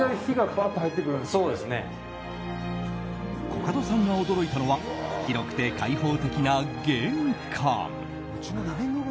コカドさんが驚いたのは広くて開放的な玄関。